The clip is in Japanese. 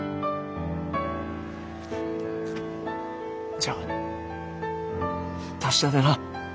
じゃ達者でな。